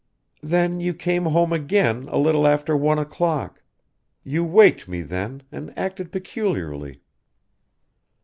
"Then you came home again a little after one o'clock. You waked me then and acted peculiarly."